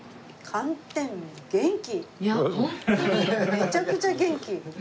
めちゃくちゃ元気。